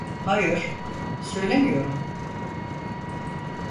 Hayır, söylemiyorum.